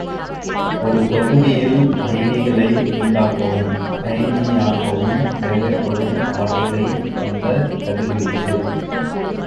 ஒரு தொகுதியில் அயனிகளை உண்டாக்கவும் அயனி யாக்கவும் தேவைப்படும் ஆற்றலைக் கொண்ட கதிர்வீச்சு.